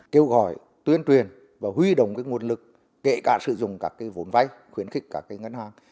kêu gọi tuyên truyền và huy động nguồn lực kể cả sử dụng các vốn vay khuyến khích các ngân hàng